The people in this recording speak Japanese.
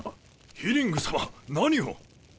ヒリングさま何を！？